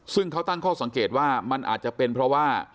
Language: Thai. ซึ่งเขาตั้งข้อสังเกตว่ามันอาจจะเป็นเพราะว่า